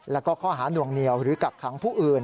แล้วก็ข้อหาหน่วงเหนียวหรือกักขังผู้อื่น